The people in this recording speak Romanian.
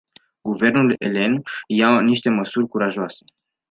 Guvernul elen ia niște măsuri curajoase.